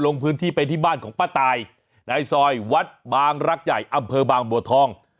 ลงพื้นที่ไปที่บ้านของป้าตายในซอยวัดบางรักใหญ่อำเภอบางบัวทอง